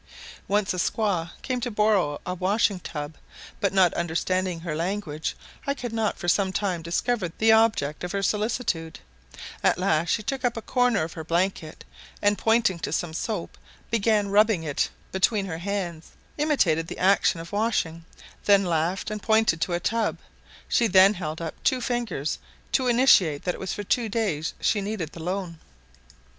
Once a squaw came to borrow a washing tub, but not understanding her language, I could not for some time discover the object of her solicitude; at last she took up a corner of her blanket, and, pointing to some soap, began rubbing it between her hands, imitated the action of washing, then laughed, and pointed to a tub; she then held up two fingers, to intimate it was for two days she needed the loan.